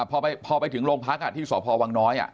อเจมส์พอไปถึงรวงพลลักษณ์ที่สทผาวังน้อย